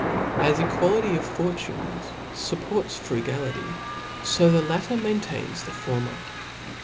As equality of fortunes fupports frugality, fo the latter maintains the former.